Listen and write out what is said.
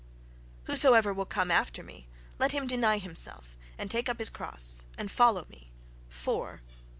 "Whosoever will come after me, let him deny himself, and take up his cross, and follow me. For..."